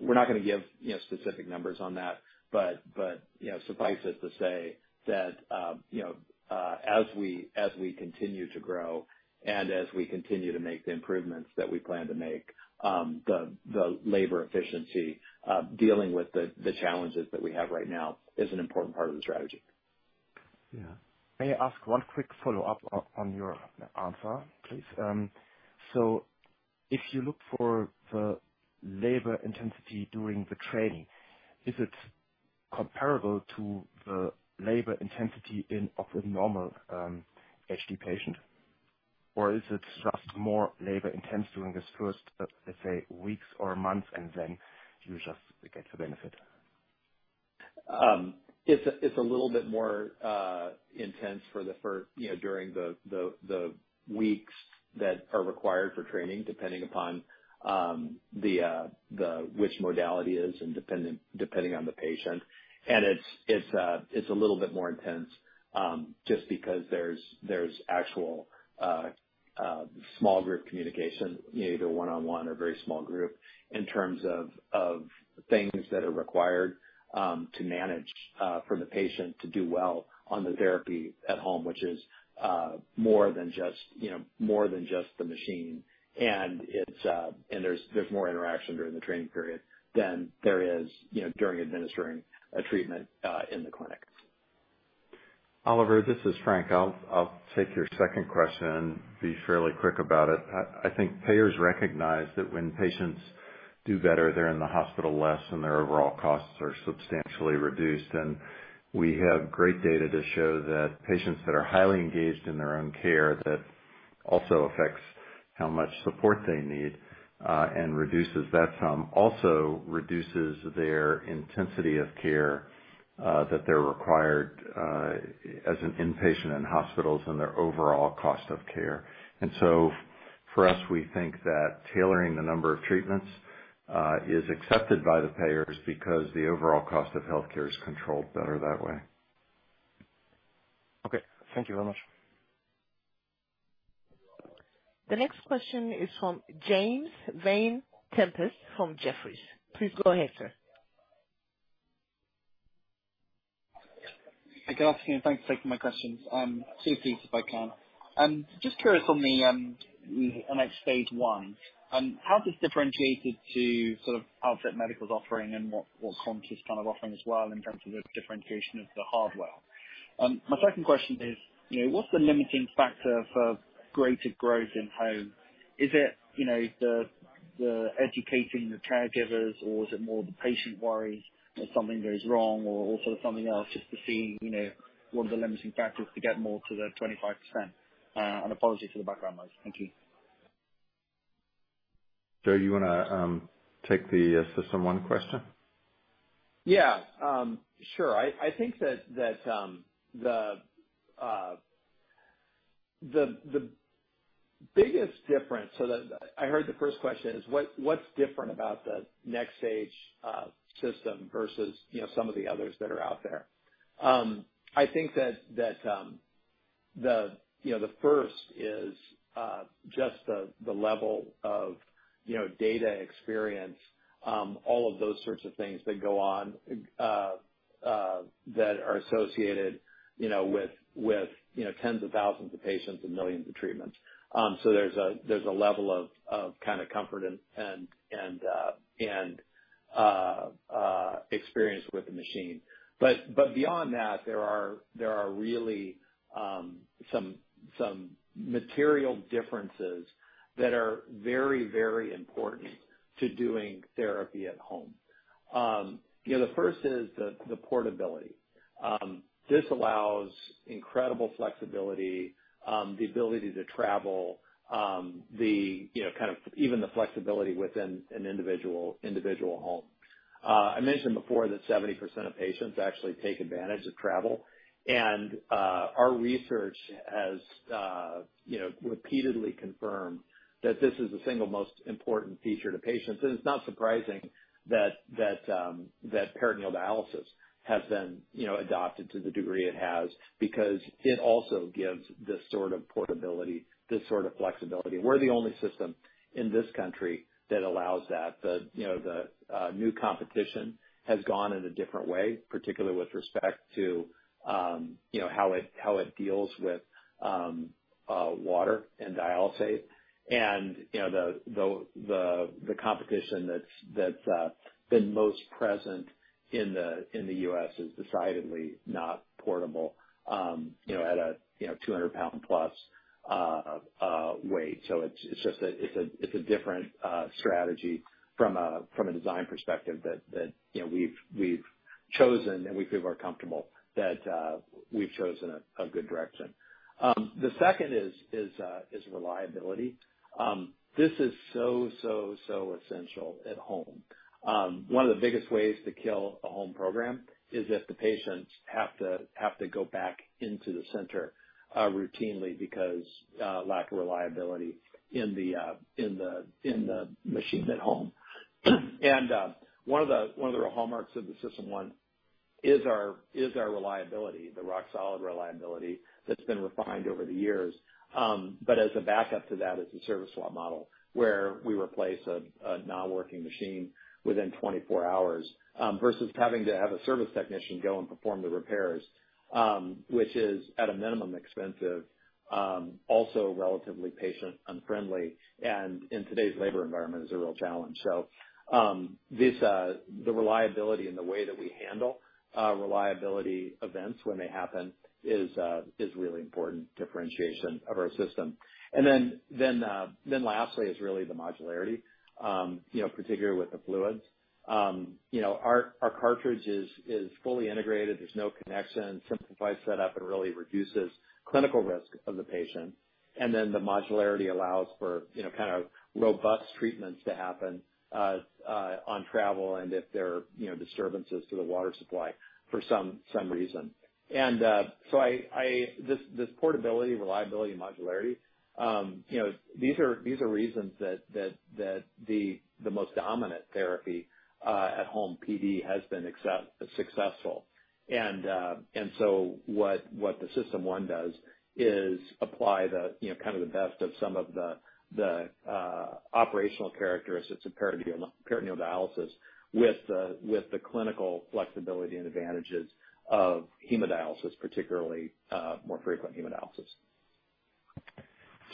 S4: We're not going to give specific numbers on that, but suffice it to say that as we continue to grow and as we continue to make the improvements that we plan to make, the labor efficiency, dealing with the challenges that we have right now, is an important part of the strategy.
S5: Yeah. May I ask one quick follow-up on your answer, please? If you look for the labor intensity during the training, is it comparable to the labor intensity of a normal HD patient? Or is it just more labor intense during this first, let's say, weeks or months, and then you just get the benefit?
S4: It's a little bit more intense for the first during the weeks that are required for training, depending upon which modality is and depending on the patient. It's a little bit more intense just because there's actual small group communication either one-on-one or very small group, in terms of things that are required to manage for the patient to do well on the therapy at home, which is more than just more than just the machine. There's more interaction during the training period than there is during administering a treatment in the clinic.
S3: Oliver, this is Franklin. I'll take your second question and be fairly quick about it. I think payers recognize that when patients do better, they're in the hospital less and their overall costs are substantially reduced. We have great data to show that patients that are highly engaged in their own care, that also affects how much support they need, and reduces that sum, also reduces their intensity of care, that they're required, as an inpatient in hospitals and their overall cost of care. For us, we think that tailoring the number of treatments is accepted by the payers because the overall cost of healthcare is controlled better that way.
S5: Okay. Thank you very much.
S1: The next question is from James Vane-Tempest from Jefferies. Please go ahead, sir.
S6: Good afternoon, thanks for taking my questions. Two please if I can. Just curious on the NxStage One, how does this differentiate it to sort of Outset Medical's offering and what Quanta is kind of offering as well in terms of the differentiation of the hardware? My second question is what's the limiting factor for greater growth in home? Is it the educating the caregivers or is it more the patient worry if something goes wrong or also something else just to see what are the limiting factors to get more to the 25%? Apologies for the background noise. Thank you.
S3: Joseph, you want to take the System One question?
S4: I think that the biggest difference. I heard the first question is what's different about the NxStage system versus some of the others that are out there. I think that the first is just the level of data experience all of those sorts of things that go on that are associated with tens of thousands of patients and millions of treatments. So there's a level of kind of comfort and experience with the machine. But beyond that, there are really some material differences that are very important to doing therapy at home. The first is the portability. This allows incredible flexibility, the ability to travel kind of even the flexibility within an individual home. I mentioned before that 70% of patients actually take advantage of travel. Our research has repeatedly confirmed that this is the single most important feature to patients. It's not surprising that peritoneal dialysis has been adopted to the degree it has because it also gives this sort of portability, this sort of flexibility. We're the only system in this country that allows that. The new competition has gone in a different way, particularly with respect to how it deals with water and dialysate. The competition that's been most present in the US is decidedly not portable at a 200-pound-plus weight. It's just a different strategy from a design perspective that you know we've chosen and we feel are comfortable that we've chosen a good direction. The second is reliability. This is so essential at home. One of the biggest ways to kill a home program is if the patients have to go back into the center routinely because lack of reliability in the machines at home. One of the hallmarks of the System One is our reliability, the rock solid reliability that's been refined over the years. As a backup to that is the service swap model, where we replace a non-working machine within 24 hours, versus having to have a service technician go and perform the repairs, which is at a minimum expensive, also relatively patient unfriendly and in today's labor environment is a real challenge. This, the reliability and the way that we handle reliability events when they happen is really important differentiation of our system. Lastly is really the modularity. Particularly with the fluids. Our cartridge is fully integrated. There's no connection, simplifies set up and really reduces clinical risk of the patient. The modularity allows for kind of robust treatments to happen on travel and if there are disturbances to the water supply for some reason. This portability, reliability, modularity, these are reasons that the most dominant therapy at home PD has been acceptably successful. What the System One does is apply kind of the best of some of the operational characteristics of peritoneal dialysis with the clinical flexibility and advantages of hemodialysis, particularly more frequent hemodialysis.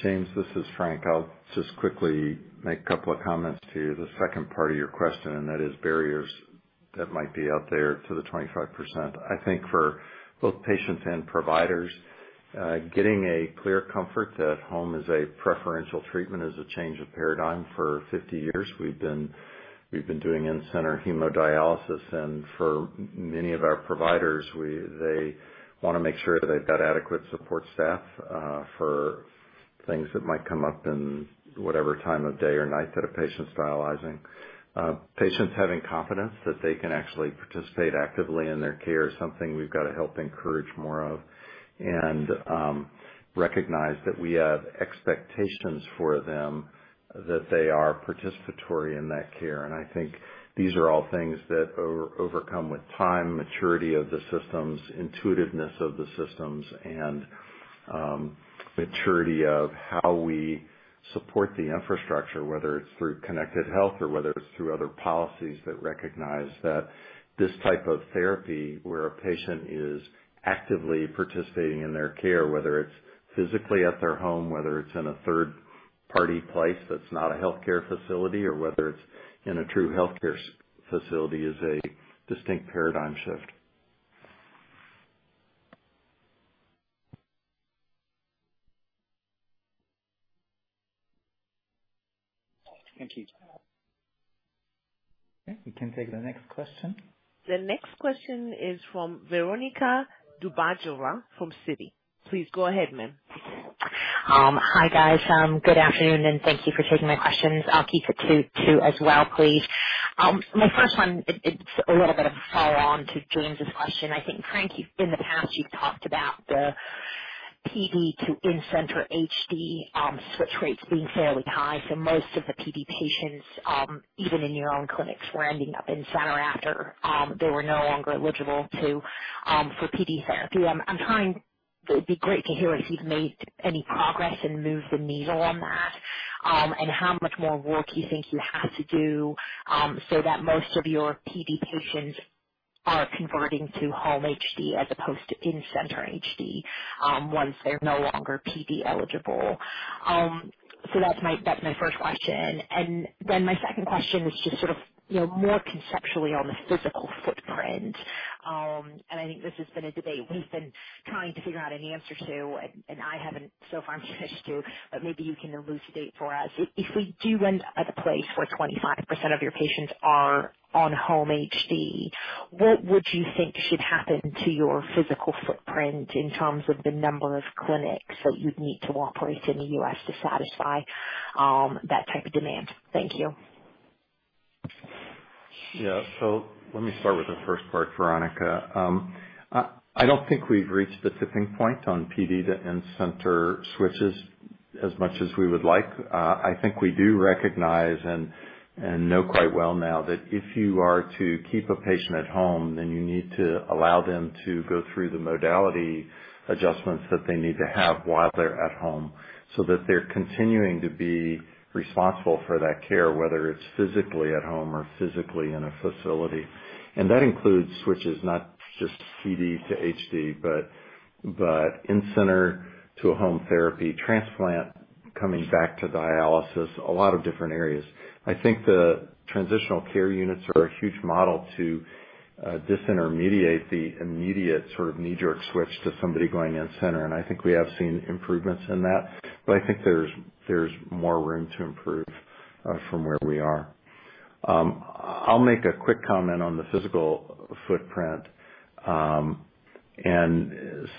S3: James, this is Franklin. I'll just quickly make a couple of comments to the second part of your question, and that is barriers that might be out there to the 25%. I think for both patients and providers, getting a clear comfort that home is a preferential treatment is a change of paradigm. For 50 years, we've been doing in-center hemodialysis, and for many of our providers, they want to make sure that they've got adequate support staff, for things that might come up in whatever time of day or night that a patient's dialyzing. Patients having confidence that they can actually participate actively in their care is something we've got to help encourage more of and recognize that we have expectations for them, that they are participatory in that care. I think these are all things that overcome with time, maturity of the systems, intuitiveness of the systems, and maturity of how we support the infrastructure, whether it's through connected health or whether it's through other policies that recognize that this type of therapy where a patient is actively participating in their care, whether it's physically at their home, whether it's in a third-party place that's not a healthcare facility, or whether it's in a true healthcare facility, is a distinct paradigm shift.
S4: Thank you.
S2: Okay. We can take the next question.
S1: The next question is from Veronika Dubajova from Citi. Please go ahead, ma'am.
S7: Hi, guys. Good afternoon, and thank you for taking my questions. I'll keep it to two as well, please. My first one, it's a little bit of a follow-on to James' question. I think, Franklin, you've, in the past, talked about the PD to in-center HD switch rates being fairly high. Most of the PD patients, even in your own clinics, were ending up in-center after they were no longer eligible for PD therapy. It'd be great to hear if you've made any progress in moving the needle on that, and how much more work you think you have to do, so that most of your PD patients are converting to home HD as opposed to in-center HD, once they're no longer PD eligible. That's my first question. My second question is just sort of more conceptually on the physical footprint. I think this has been a debate we've been trying to figure out an answer to, and I haven't so far managed to, but maybe you can elucidate for us. If we do end at a place where 25% of your patients are on home HD, what would you think should happen to your physical footprint in terms of the number of clinics that you'd need to operate in the U.S. to satisfy that type of demand? Thank you.
S3: Yeah. Let me start with the first part, Veronika. I don't think we've reached the tipping point on PD to in-center switches as much as we would like. I think we do recognize and know quite well now that if you are to keep a patient at home, then you need to allow them to go through the modality adjustments that they need to have while they're at home, so that they're continuing to be responsible for that care, whether it's physically at home or physically in a facility. That includes switches, not just PD to HD, but in-center to a home therapy transplant, coming back to dialysis, a lot of different areas. I think the transitional care units are a huge model to disintermediate the immediate sort of knee-jerk switch to somebody going in-center, and I think we have seen improvements in that. I think there's more room to improve from where we are. I'll make a quick comment on the physical footprint, and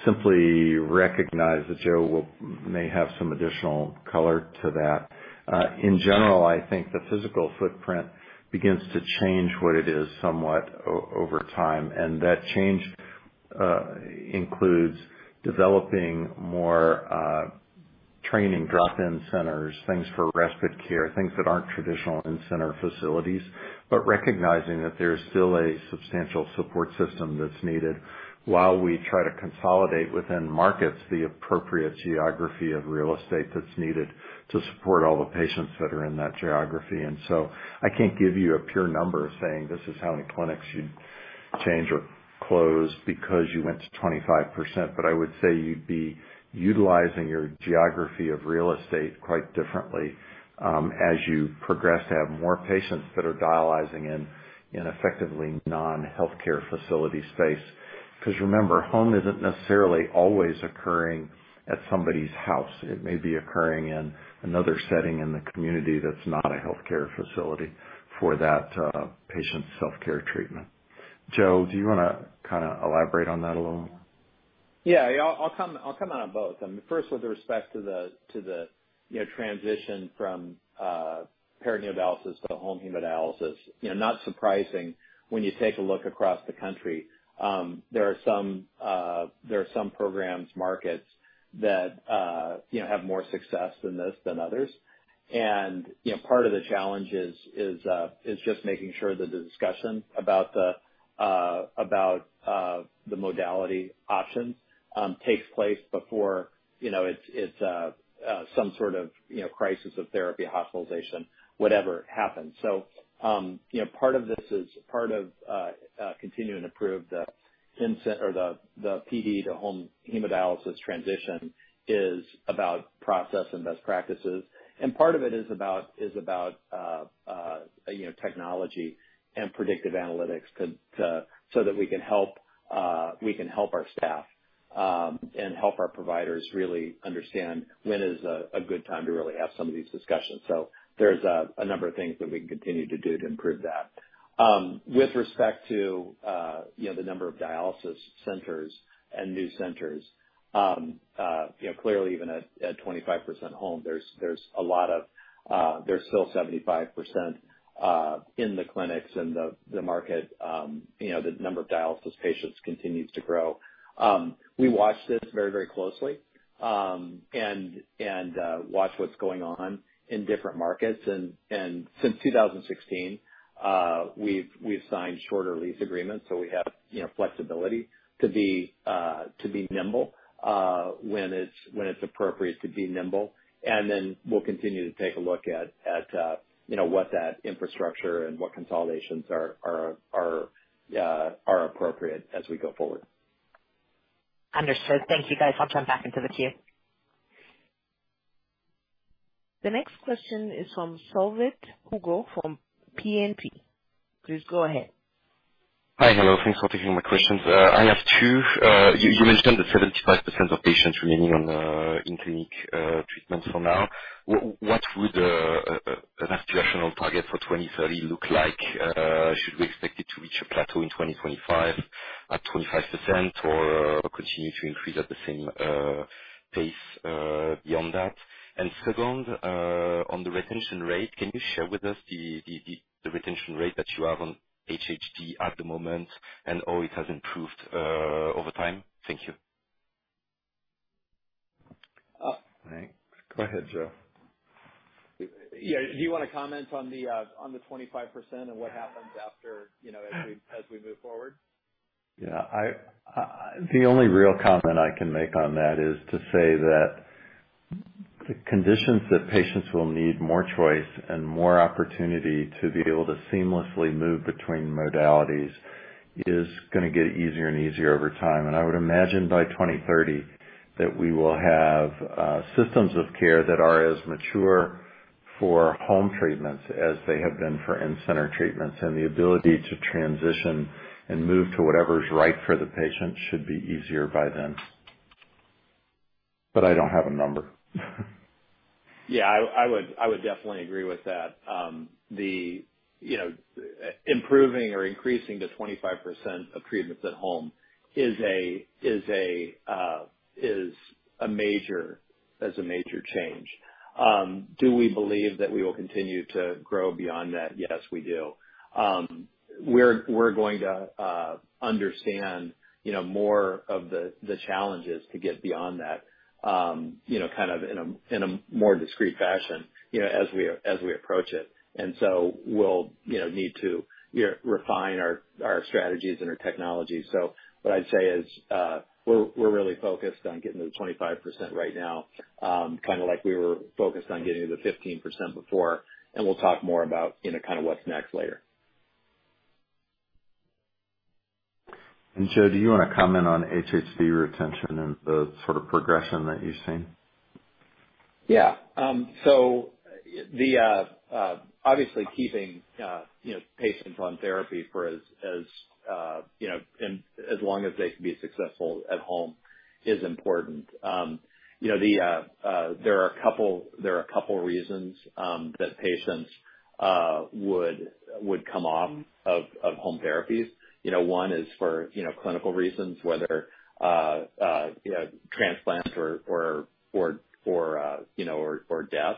S3: simply recognize that Joe may have some additional color to that. In general, I think the physical footprint begins to change what it is somewhat over time. That change includes developing more training drop-in centers, things for respite care, things that aren't traditional in-center facilities, but recognizing that there's still a substantial support system that's needed while we try to consolidate within markets the appropriate geography of real estate that's needed to support all the patients that are in that geography. I can't give you a pure number saying this is how many clinics you'd change or close because you went to 25%. I would say you'd be utilizing your geography of real estate quite differently, as you progress to have more patients that are dialyzing in effectively non-healthcare facility space. Remember, home isn't necessarily always occurring at somebody's house. It may be occurring in another setting in the community that's not a healthcare facility for that patient's self-care treatment. Joe, do you want to kinda elaborate on that a little more?
S4: Yeah. I'll come on both. First with respect to the transition from peritoneal dialysis to home hemodialysis. Not surprising when you take a look across the country. There are some program markets that have more success than others. Part of the challenge is just making sure that the discussion about the modality options takes place before it's some sort of crisis or therapy, hospitalization, whatever happens. Part of this is to continue and improve the in-center or the PD to home hemodialysis transition, which is about process and best practices. Part of it is about you know technology and predictive analytics to so that we can help our staff and help our providers really understand when is a good time to really have some of these discussions. There's a number of things that we can continue to do to improve that. With respect to you know the number of dialysis centers and new centers you know clearly even at 25% home there's a lot of there's still 75% in the clinics and the market you know the number of dialysis patients continues to grow. We watch this very closely and watch what's going on in different markets. Since 2016, we've signed shorter lease agreements, so we have flexibility to be nimble when it's appropriate to be nimble. Then we'll continue to take a look at what that infrastructure and what consolidations are appropriate as we go forward.
S8: Understood. Thank you, guys. I'll turn back into the queue.
S1: The next question is from Hugo Solvet from BNP Paribas. Please go ahead.
S9: Hello. Thanks for taking my questions. I have two. You mentioned that 75% of patients remaining on in-clinic treatments for now. What would an aspirational target for 2030 look like? Should we expect it to reach a plateau in 2025 at 25% or continue to increase at the same pace beyond that? Second, on the retention rate, can you share with us the retention rate that you have on HHD at the moment and how it has improved over time? Thank you.
S3: Go ahead, Joseph.
S4: Yeah. Do you want to comment on the 25% and what happens after as we move forward?
S3: Yeah. I, the only real comment I can make on that is to say that the conditions that patients will need more choice and more opportunity to be able to seamlessly move between modalities is going to get easier and easier over time. I would imagine by 2030 that we will have systems of care that are as mature for home treatments as they have been for in-center treatments. The ability to transition and move to whatever is right for the patient should be easier by then. I don't have a number.
S4: Yeah. I would definitely agree with that. Improving or increasing to 25% of treatments at home is a major change. Do we believe that we will continue to grow beyond that? Yes, we do. We're going to understand more of the challenges to get beyond that kind of in a more discreet fashion as we approach it. we'll need to refine our strategies and our technology. What I'd say is, we're really focused on getting to the 25% right now, kinda like we were focused on getting to the 15% before, and we'll talk more about kinda what's next later.
S3: Joseph, do you want to comment on HHD retention and the sort of progression that you've seen?
S4: Obviously keeping you know patients on therapy for as you know and as long as they can be successful at home is important. You know there are a couple reasons that patients would come off of home therapies. You know one is for you know clinical reasons, whether you know transplants or death.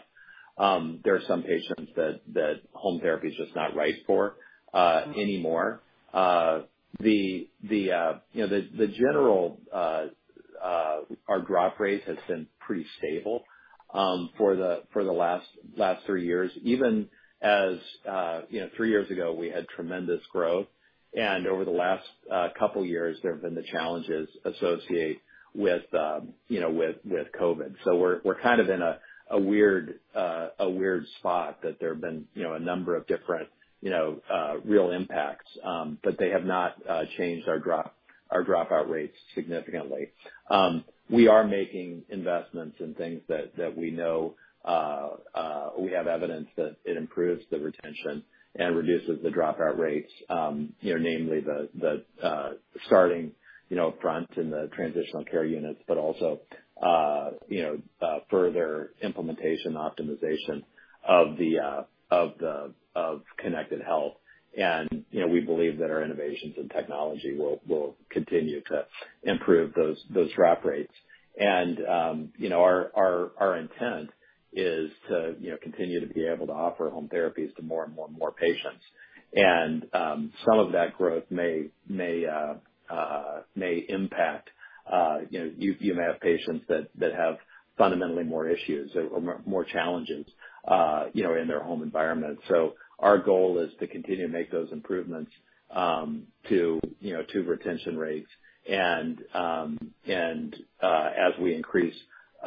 S4: There are some patients that home therapy is just not right for anymore. You know the general, our drop rate has been pretty stable for the last three years. Even as three years ago, we had tremendous growth, and over the last couple years, there have been the challenges associated with with COVID. We're kind of in a weird spot that there have been a number of different real impacts. They have not changed our dropout rates significantly. We are making investments in things that we know we have evidence that it improves the retention and reduces the dropout rates namely the starting front in the transitional care units, but also further implementation optimization of the connected health. we believe that our innovations and technology will continue to improve those drop rates. Our intent is to continue to be able to offer home therapies to more and more patients. Some of that growth may impact. You may have patients that have fundamentally more issues or more challenges in their home environment. Our goal is to continue to make those improvements to retention rates and as we increase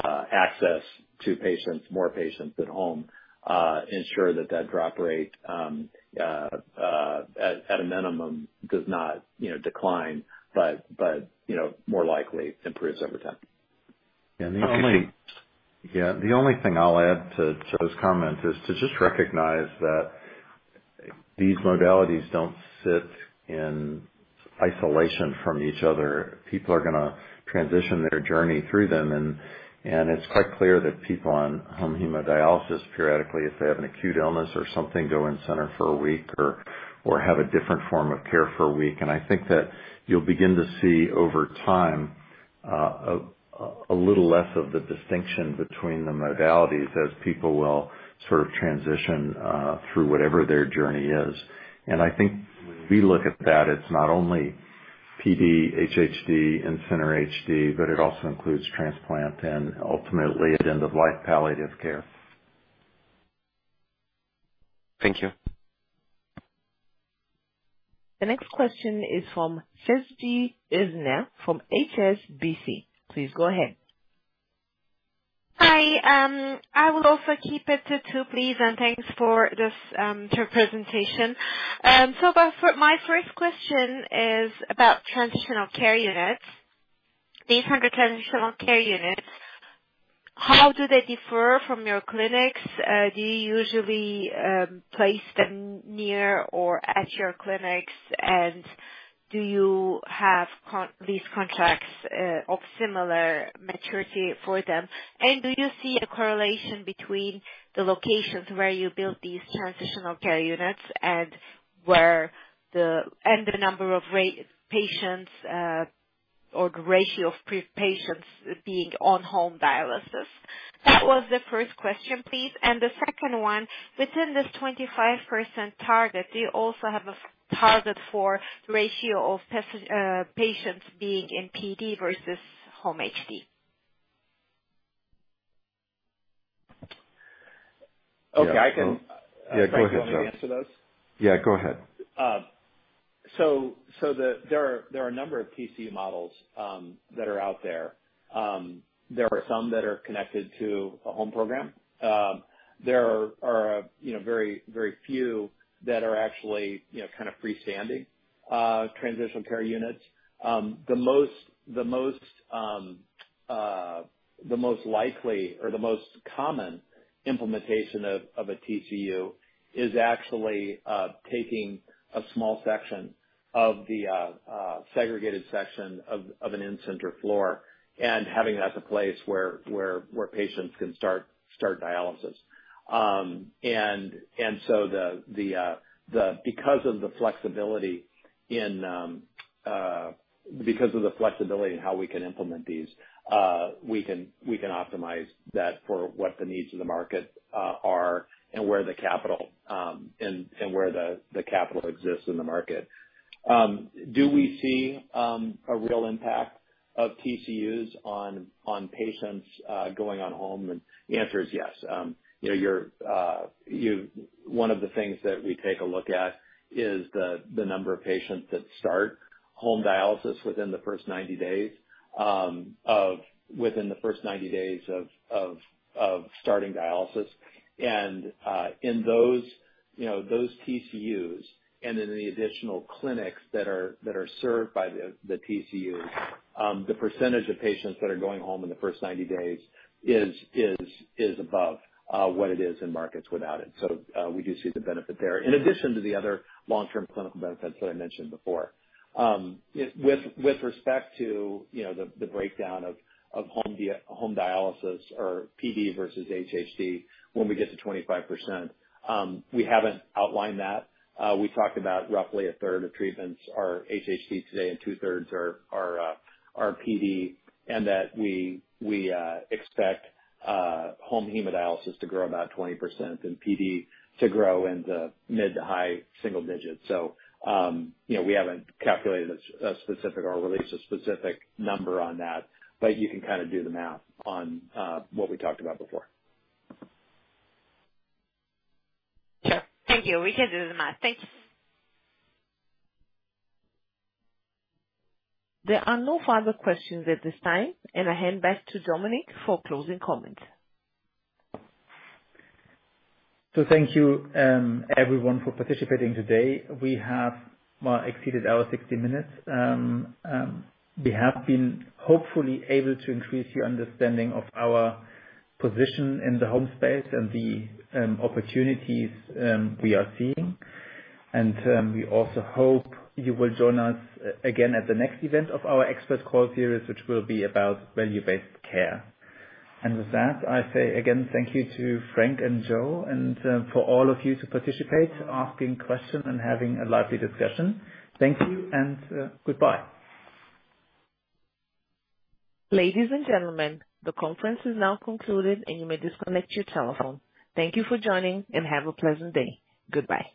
S4: access to more patients at home, ensure that drop rate at a minimum does not decline, but more likely improves over time.
S3: And the only.
S2: Okay.
S3: Yeah, the only thing I'll add to this comment is to just recognize that these modalities don't sit in isolation from each other. People are going to transition their journey through them and it's quite clear that people on home hemodialysis periodically, if they have an acute illness or something, go in-center for a week or have a different form of care for a week. I think that you'll begin to see over time a little less of the distinction between the modalities as people will sort of transition through whatever their journey is. I think we look at that it's not only PD, HHD, in-center HD, but it also includes transplant and ultimately end-of-life palliative care.
S2: Thank you.
S1: The next question is from Richard Felton from HSBC. Please go ahead.
S8: Hi. I will also keep it to two please, and thanks for this, your presentation. My first question is about transitional care units. These are the transitional care units. How do they differ from your clinics? Do you usually place them near or at your clinics? Do you have these contracts of similar maturity for them? Do you see a correlation between the locations where you build these transitional care units and the number of patients or the ratio of prevalent patients being on home dialysis? That was the first question, please. The second one, within this 25% target, do you also have a target for ratio of patients being in PD versus home HD?
S4: Okay.
S3: Yeah.
S4: Franklin, do you want me to answer those?
S3: Yeah, go ahead.
S4: There are a number of TCU models that are out there. There are some that are connected to a home program. There are very few that are actually kind of freestanding transitional care units. The most likely or the most common implementation of a TCU is actually taking a small section of the segregated section of an in-center floor and having that as a place where patients can start dialysis. Because of the flexibility in how we can implement these, we can optimize that for what the needs of the market are and where the capital exists in the market. Do we see a real impact of TCUs on patients going on home? The answer is yes. One of the things that we take a look at is the number of patients that start home dialysis within the first 90 days of starting dialysis. In those those TCUs and in the additional clinics that are served by the TCUs, the percentage of patients that are going home in the first 90 days is above what it is in markets without it. We do see the benefit there in addition to the other long-term clinical benefits that I mentioned before. With respect to the breakdown of home dialysis or PD versus HHD, when we get to 25%, we haven't outlined that. We talked about roughly a third of treatments are HHD today, and two-thirds are PD, and that we expect home hemodialysis to grow about 20% and PD to grow in the mid- to high-single digits. we haven't calculated a specific or released a specific number on that, but you can kind of do the math on what we talked about before.
S3: Sure.
S8: Thank you, Richard. This is Matt. Thank you.
S1: There are no further questions at this time. I hand back to Dominik for closing comments.
S2: Thank you, everyone for participating today. We have exceeded our 60 minutes. We have been hopefully able to increase your understanding of our position in the home space and the opportunities we are seeing. We also hope you will join us again at the next event of our expert call series, which will be about value-based care. With that, I say again thank you to Franklin and Joseph and for all of you to participate, asking questions and having a lively discussion. Thank you and goodbye.
S1: Ladies and gentlemen, the conference is now concluded, and you may disconnect your telephone. Thank you for joining, and have a pleasant day. Goodbye.